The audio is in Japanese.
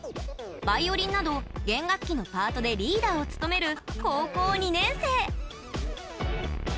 バイオリンなど弦楽器のパートでリーダーを務める高校２年生。